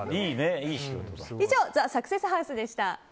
以上ＴＨＥサクセスハウスでした。